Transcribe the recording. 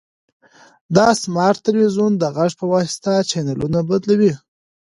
دا سمارټ تلویزیون د غږ په واسطه چینلونه بدلوي.